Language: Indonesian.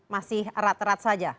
masih rat rat saja